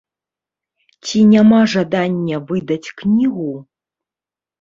Ці няма жадання выдаць кнігу?